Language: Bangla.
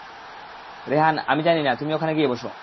রেহান, আমি জানি না, তুমি ওখানে গিয়ে বসো।